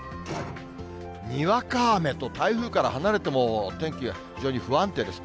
にわか雨と台風から離れても天気が非常に不安定です。